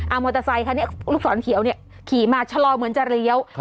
เอามอเตอร์ไซคันนี้ลูกศรเขียวเนี่ยขี่มาชะลอเหมือนจะเลี้ยว